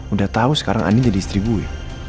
udah tau sekarang ani jadi istri gue